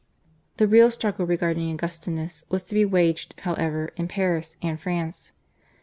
The real struggle regarding /Augustinus/ was to be waged, however, in Paris and France.